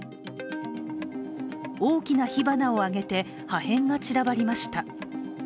大きな火花を上げて破片が散らばりました。